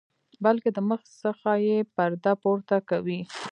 بلکې د مخ څخه یې پرده پورته کوي.